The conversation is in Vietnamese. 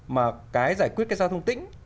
mà cái giải quyết cái giao thông tĩnh